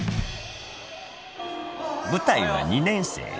［舞台は２年生へ］